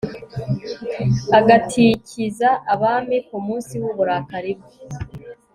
agatikiza abami ku munsi w'uburakari bwe